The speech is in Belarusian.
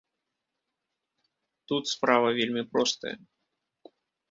Тут справа вельмі простая.